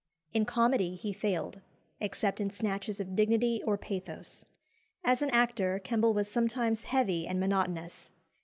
In comedy he failed, except in snatches of dignity or pathos. As an actor Kemble was sometimes heavy and monotonous.